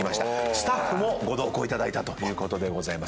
スタッフもご同行いただいたということでございます。